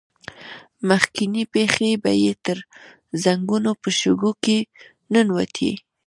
مخکينۍ پښې به يې تر زنګنو په شګو کې ننوتې.